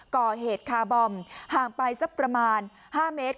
ก่อเหตุคาร์บอมห่างไปสักประมาณ๕เมตร